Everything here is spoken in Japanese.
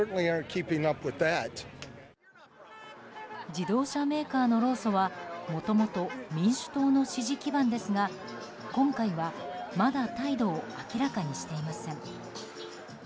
自動車メーカーの労組はもともと民主党の支持基盤ですが今回は、まだ態度を明らかにしていません。